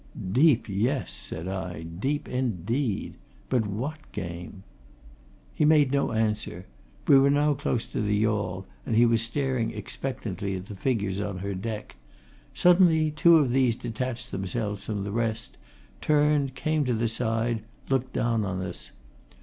"Deep, yes!" said I. "Deep indeed! But what game?" He made no answer; we were now close to the yawl, and he was staring expectantly at the figures on her deck. Suddenly two of these detached themselves from the rest, turned, came to the side, looked down on us.